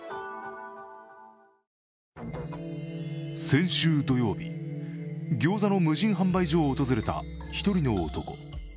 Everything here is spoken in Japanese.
先週土曜日、餃子の無人販売所を訪れた１人の男。